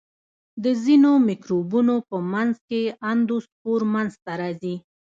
د ځینو مکروبونو په منځ کې اندوسپور منځته راځي.